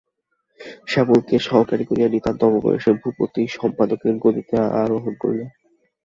শ্যালককে সহকারী করিয়া নিতান্ত অল্প বয়সেই ভূপতি সম্পাদকের গদিতে আরোহণ করিল।